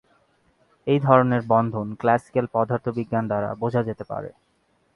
এই ধরনের বন্ধন ক্লাসিক্যাল পদার্থবিজ্ঞান দ্বারা বোঝা যেতে পারে।